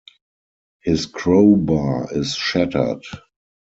His crowbar is shattered.